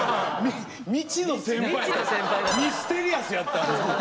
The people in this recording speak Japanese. ミステリアスやったんや。